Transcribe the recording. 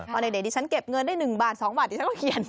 ตอนเด็กดิฉันเก็บเงินได้๑๒บาทดิฉันเขาเขียนหมด